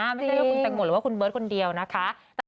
ไม่ใช่ว่าคุณแตงโมหรือว่าคุณเบิร์ตคนเดียวนะคะ